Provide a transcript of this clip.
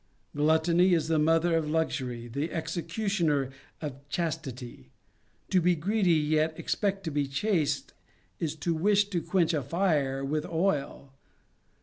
Gluttony is the mother of luxury, the executioner of chastity. To be greedy, yet expect to be chaste, is to wish to quench a fire with oil.